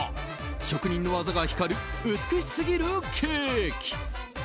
職人の技が光る美しすぎるケーキ。